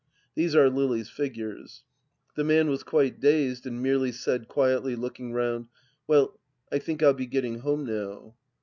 These are Lily's figures. The man was quite dazed and merely said, quietly, looking round :" Well, I think I'll be getting home now."